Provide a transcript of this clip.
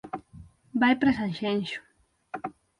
Vai para Sanxenxo